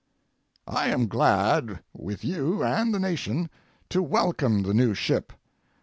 I am glad, with you and the nation, to welcome the new ship.